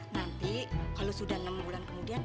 nanti kalau sudah enam bulan kemudian